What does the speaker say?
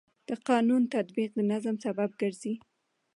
د قانون تطبیق د نظم سبب ګرځي.